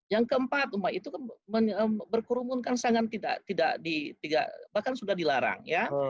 yang keempat umat itu berkurumunkan sangat tidak bahkan sudah dilarang